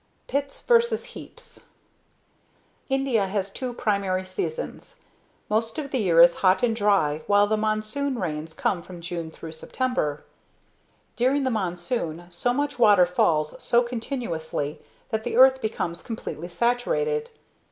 Pits Versus Heaps India has two primary seasons. Most of the year is hot and dry while the monsoon rains come from dune through September. During the monsoon, so much water falls so continuously that the earth becomes completely saturated.